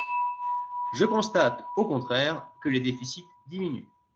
Je constate, au contraire, que les déficits diminuent.